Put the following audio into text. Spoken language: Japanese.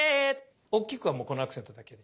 おっきくはもうこのアクセントだけで。